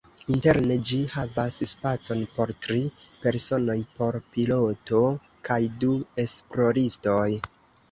Interne ĝi havas spacon por tri personoj, por piloto kaj du esploristoj.